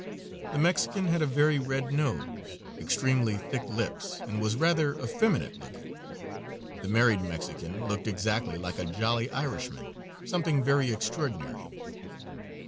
The Mexican had a very red nose, extremely thick lips, and was rather effeminate looking. The married Mexican looked exactly like a jolly Irish man something very extraordinary.